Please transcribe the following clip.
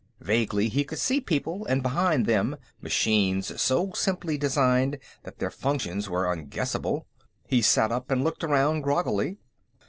Vaguely, he could see people and, behind them, machines so simply designed that their functions were unguessable. He sat up and looked around groggily.